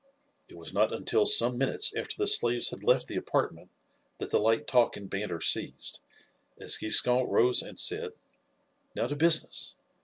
It was not until some minutes after the slaves had left the apartment that the light talk and banter ceased, as Giscon rose and said: "Now to business.